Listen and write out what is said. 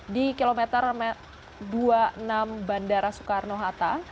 di kilometer dua puluh enam bandara soekarno hatta